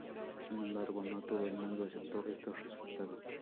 Sin embargo, no todo el mundo aceptó estos resultados.